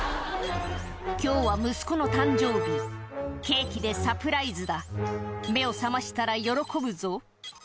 「今日は息子の誕生日ケーキでサプライズだ」「目を覚ましたら喜ぶぞ」